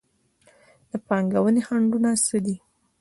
د پانګونې خنډونه څه دي؟